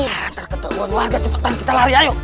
nah tak ketahuan warga cepetan kita lari ayo